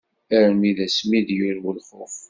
Armi d asmi d-yurew lxuf.